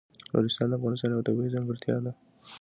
نورستان د افغانستان یوه طبیعي ځانګړتیا ده.